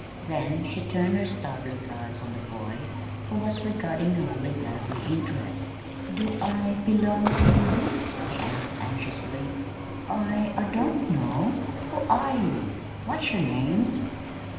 Then she turned her startled eyes on the boy, who was regarding her with lively interest. "Do I belong to you?" he asked anxiously. "I I don't know. Who are you what's your name?"